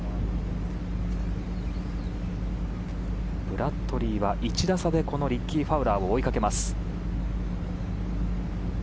ブラッドリーは１打差でリッキー・ファウラーを追いかけます。